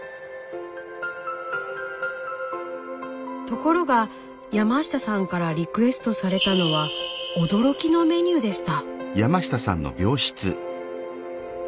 ところが山下さんからリクエストされたのは驚きのメニューでした。